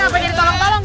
apa jadi tolong tolong